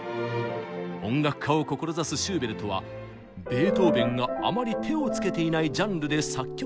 音楽家を志すシューベルトはベートーベンがあまり手をつけていないジャンルで作曲を始めます。